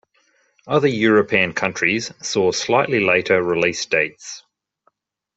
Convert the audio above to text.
Other European countries saw slightly later release dates.